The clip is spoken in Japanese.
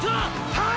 はい！！